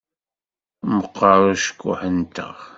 Meqqeṛ ucekkuḥ-nteɣ.